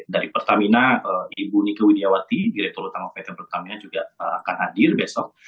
dari pertamina ibu nike widiawati direktur utama pt pertamina juga akan hadir besok